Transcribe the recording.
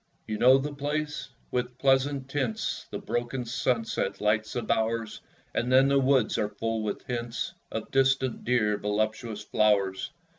You know the place? With pleasant tints The broken sunset lights the bowers; And then the woods are full with hints Of distant, dear, voluptuous flowers!